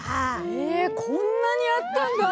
へえこんなにあったんだ。